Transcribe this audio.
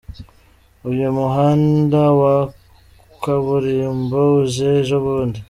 Uyu muhanda wa kaburimbo uje ejo bundi.